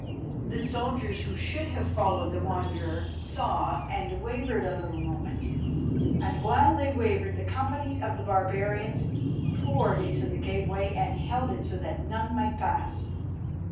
The soldiers who should have followed the Wanderer saw and wavered a little moment, and while they wavered the companies of the barbarians poured into the gateway and held it so that none might pass.